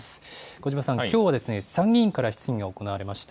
小嶋さん、きょうはですね、参議院から質疑が行われました。